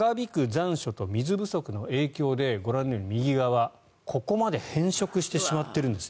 残暑と水不足の影響でご覧のように右側ここまで変色してしまっているんです。